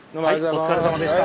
お疲れさまでした。